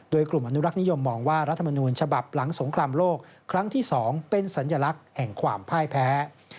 โดยกลุ่มอนุรักษ์นิยมมองว่ารัฐมนูญฉบับหลังสงครามโลกครั้งที่๒เป็นสัญลักษณ์แห่งความพ่ายแพ้